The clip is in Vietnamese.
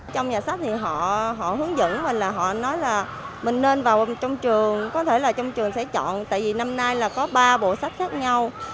trong nhà sách thì họ hướng dẫn mình là họ nói là mình nên vào trong trường có thể là trong trường sẽ chọn tại vì năm nay là có ba bộ sách khác nhau